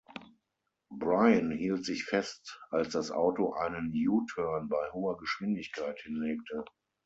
Brian hielt sich fest, als das Auto einen U-Turn bei hoher Geschwindigkeit hinlegte.